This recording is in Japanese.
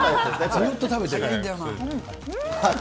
ずっと食べてる。